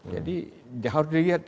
jadi harus dilihat